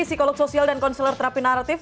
psikolog sosial dan konselor terapi naratif